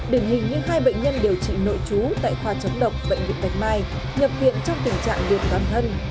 để nhìn như hai bệnh nhân điều trị nội trú tại khoa chống độc bệnh viện bạch mai nhập viện trong tình trạng được toàn thân